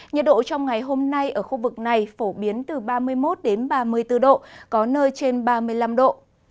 nhiệt độ trong ngày hôm nay ở khu vực này phổ biến từ ba mươi một đến ba mươi bốn độ có nơi trên ba mươi năm độ